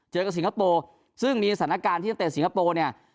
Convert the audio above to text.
เจอกับสิงคโปร์ซึ่งมีสถานการณ์ที่นักเตะสิงคโปร์เนี่ย